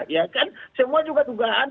ya kan semua juga dugaan